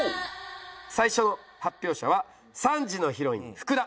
最初の発表者は３時のヒロイン福田。